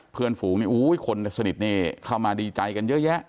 เพื่อนฝูงนี่คนสนิทนี่เข้ามาดีใจกันเยอะแยะ